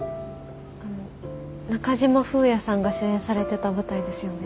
あの中島風也さんが主演されてた舞台ですよね。